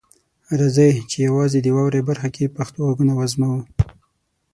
راځئ چې یوازې د "واورئ" برخه کې پښتو غږونه وازموو.